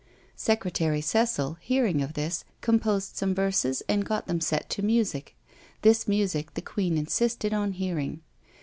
Secretary Cecil hearing of this, composed some verses and got them set to music; this music the queen insisted on hearing.